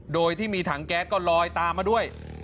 โดยที่มีถังแก๊สก็ลอยตามมาด้วย